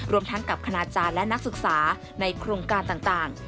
รวมทั้งกับคณาจารย์และนักศึกษาในโครงการต่าง